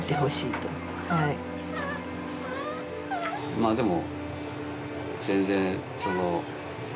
まあでも。